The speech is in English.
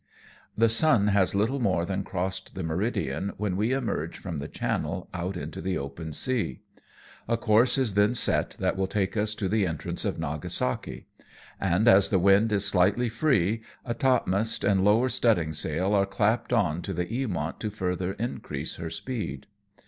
The sun has little more than crossed the meridian when we emerge from the channel out into the open sea. A course is then set that will take us to the entrance of Nagasaki, and as the wind is slightly free, a topmast and lower studding sail are clapped on to the Eamont to further increase her speed.